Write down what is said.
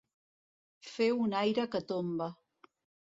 Fer un aire que tomba.